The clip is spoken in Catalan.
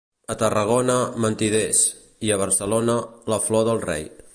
A Tarragona, mentiders, i a Barcelona, la flor del rei.